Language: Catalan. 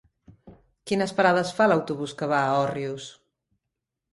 Quines parades fa l'autobús que va a Òrrius?